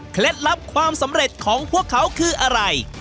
ลับความสำเร็จของพวกเขาคืออะไร